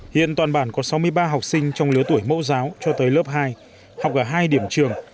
hiện toàn bản có sáu mươi ba học sinh trong lứa tuổi mẫu giáo cho tới lớp hai học ở hai điểm trường